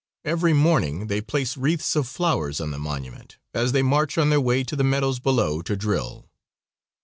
Every morning they place wreaths of flowers on the monument as they march on their way to the meadows below to drill.